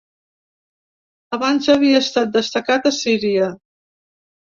Abans havia estat destacat a Síria.